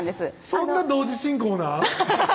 そんな同時進行なん？